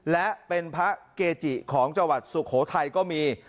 และเป็นพระเกจิของจังหวัดสุโขทัยก็มี